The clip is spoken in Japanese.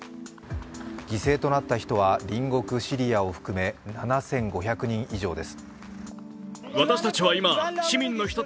犠牲となった人は隣国シリアを含め７５００人以上です。